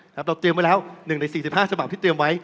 เราเตรียมไว้แล้ว๑ใน๔๕ฉบับที่เตรียมไว้